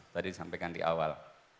tadi saya sampaikan di awal